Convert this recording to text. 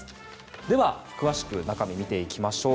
では、詳しく中身を見ていきましょう。